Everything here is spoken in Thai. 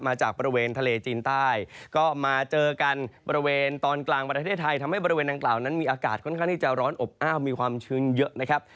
มาจากบริเวณทะเลจีนใต้ก็มาเจอกันบริเวณตอนกลางประเทศไทยทำให้บริเวณดังกล่าวนั้นมีอากาศค่อนข้างที่จะร้อนอบอ้าวมีความชื้นเยอะนะครับ